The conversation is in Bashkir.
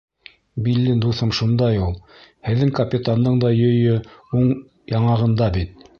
Билли дуҫым шундай ул. һеҙҙең капитандың да йөйө уң яңағында бит?